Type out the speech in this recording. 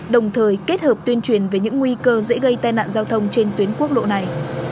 đồng thời kết hợp tuyên truyền về những nguy cơ dễ gây tai nạn giao thông trên tuyến quốc lộ này